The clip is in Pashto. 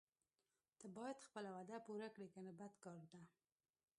ته باید خپله وعده پوره کړې کنه بد کار ده.